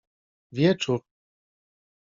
Wieczór.